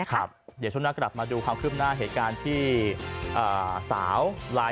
ครับเดี๋ยวช่วงหน้ากลับมาดูครั้งขึ้นหน้าเหตุการณ์ที่สาว